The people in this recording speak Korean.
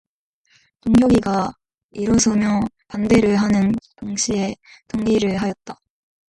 동혁이가 일어서며 반대를 하는 동시에 동의를 하였다.